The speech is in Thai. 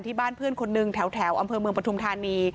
บ้านเพื่อนคนหนึ่งแถวอำเภอเมืองปฐุมธานี